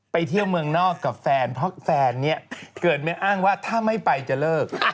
เที่ยวเมืองนอกกับแฟนเพราะแฟนเนี่ยเกิดมาอ้างว่าถ้าไม่ไปจะเลิก